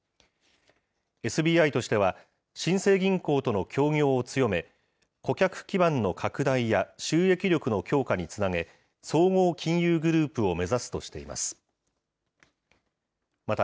ＳＢＩとしては、新生銀行との協業を強め、顧客基盤の拡大や収益力の強化につなげ、総合金融グループを目指すとしています。